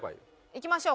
いきましょう。